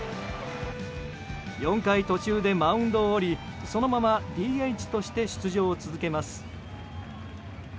４回途中でマウンドを降りそのままＤＨとして出場を続けます。